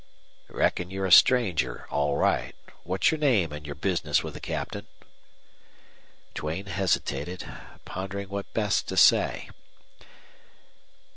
"Reckon you're a stranger, all right. What's your name and your business with the Captain?" Duane hesitated, pondering what best to say.